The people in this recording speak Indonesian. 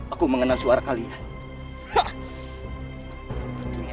aku mengenal suara kalian